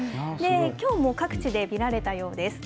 きょうも各地で見られたようです。